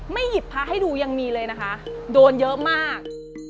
หยิบพระให้ดูยังมีเลยนะคะโดนเยอะมาก